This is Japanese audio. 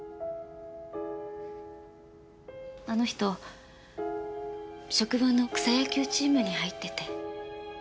あの人職場の草野球チームに入ってて。